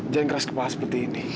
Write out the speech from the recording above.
jangan keras kepala seperti ini